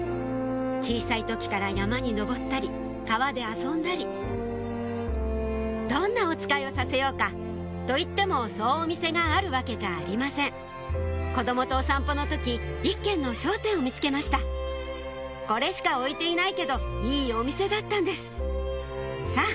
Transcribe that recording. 小さい時から山に登ったり川で遊んだりどんなおつかいをさせようかといってもそうお店があるわけじゃありません子供とお散歩の時一軒の商店を見つけましたこれしか置いていないけどいいお店だったんですさぁ